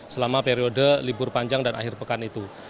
selama periode libur panjang dan akhir pekan itu